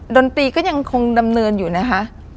ดนตรีก็ยังคงดำเนินอยู่นะคะ